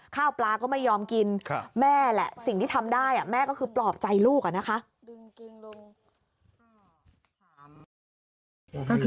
ข้าวปลาก็ไม่ยอมกินแม่แหละสิ่งที่ทำได้แม่ก็คือปลอบใจลูกอะนะคะ